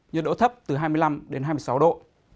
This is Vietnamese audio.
nhiệt độ thấp từ hai mươi năm đến hai mươi sáu độ